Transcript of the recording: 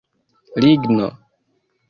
Ligno